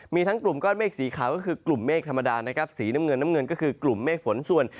มีทั้งกลุ่มก้อนเมฆสีขาวก็คือกลุ่มเมฆธรรมดานะครับสีน้ำเงินน้ำเงินก็คือกลุ่มเมฆฝนส่วน